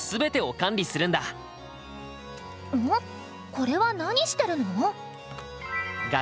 これは何してるの？